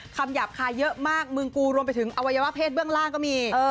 หยาบคายเยอะมากมึงกูรวมไปถึงอวัยวะเพศเบื้องล่างก็มี